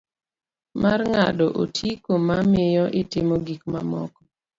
Mar ng'ado otiko ma miyo itimo gik mamoko.